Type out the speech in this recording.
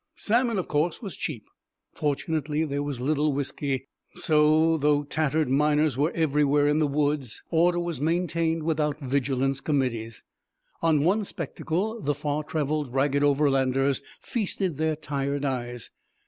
Salmon, of course, was cheap. Fortunately, there was little whisky; so, though tattered miners were everywhere in the woods, order was maintained without vigilance committees. On one spectacle the far travelled ragged Overlanders feasted their tired eyes.